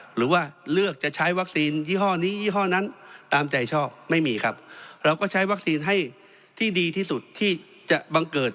หรือว่าเลือกจะใช้วัคซีนยี่ห้อนี้ยี่ห้อนั้นตามใจชอบไม่มีครับ